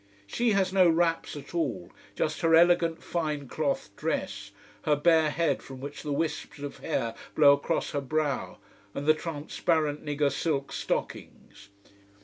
She has no wraps at all: just her elegant fine cloth dress, her bare head from which the wisps of hair blow across her brow, and the transparent "nigger" silk stockings.